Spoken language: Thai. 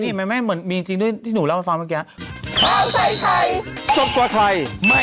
เห็นไหมมีจริงด้วยที่หนูเล่ามาฟังเมื่อกี้